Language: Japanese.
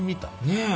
ねえ！